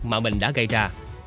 mà mình đã gây ra